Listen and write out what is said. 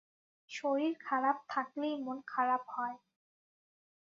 শরীর খারাপ থাকলেই মন খারাপ হয়।